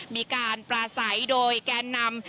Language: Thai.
มีการปลาใสด้วยแกนนำ